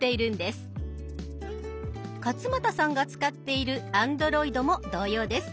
勝俣さんが使っているＡｎｄｒｏｉｄも同様です。